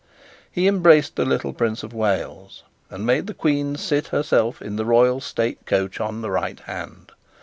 He embraced the little Prince of Wales, and made the Queen seat herself in the royal state coach on the right hand.